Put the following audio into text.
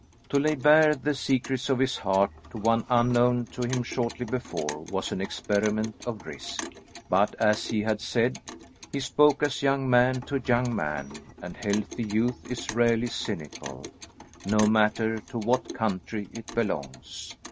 To lay bare the secrets of his heart to one unknown to him shortly before, was an experiment of risk; but, as he had said, he spoke as young man to young man, and healthy youth is rarely cynical, no matter to what country it belongs.